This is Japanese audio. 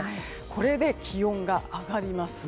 これで気温が上がります。